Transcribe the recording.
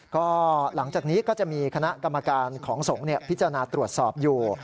ก็หลังจากนี้ก็จะมีคณะกรรมการของสงฆ์พิจารณาตรวจสอบอยู่